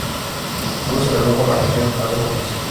Luego se redujo la sanción a sólo un mes.